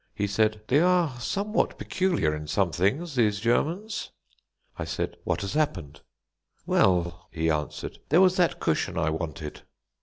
He said: "They are somewhat peculiar in some things, these Germans." I said: "What has happened?" "Well," he answered, "there was that cushion I wanted."